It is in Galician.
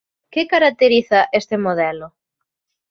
Que caracteriza este modelo?